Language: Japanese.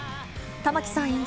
玉木さん